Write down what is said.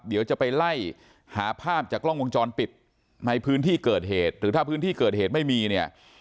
เดี๋ยวจะไปไล่หาภาพจากกล้องวงจรปิดในพื้นที่เกิดเหตุหรือถ้าพื้นที่เกิดเหตุไม่มีเนี่ย